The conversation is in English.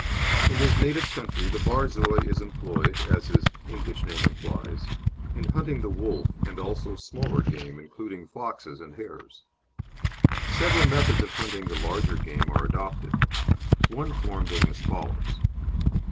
In his native country the Borzoi is employed, as his English name implies, in hunting the wolf and also smaller game, including foxes and hares. Several methods of hunting the larger game are adopted, one form being as follows.